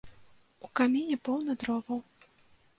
У каміне поўна дроваў.